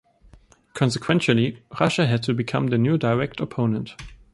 Consequentially, Russia had to become the new direct opponent.